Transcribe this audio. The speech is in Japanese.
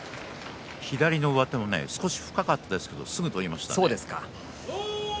左の上手、少し深かったんですがすぐに取りました。